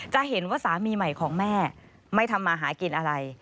จะเห็นว่าสามีใหม่ของแม่ไม่ทำมาหากินอะไร